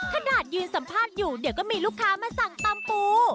ขนาดยืนสัมภาษณ์อยู่เดี๋ยวก็มีลูกค้ามาสั่งตำปู